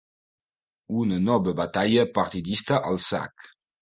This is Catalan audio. Una nova batalla partidista al sac.